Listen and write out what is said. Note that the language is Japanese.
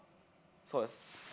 そうです。